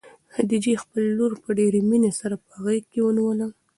خدیجې خپله لور په ډېرې مینې سره په غېږ کې ونیوله.